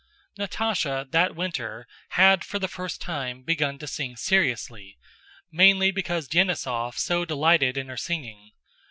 Natásha, that winter, had for the first time begun to sing seriously, mainly because Denísov so delighted in her singing.